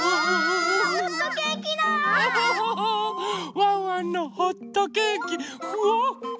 ワンワンのホットケーキフワッフワ。